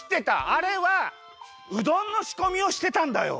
あれはうどんのしこみをしてたんだよ。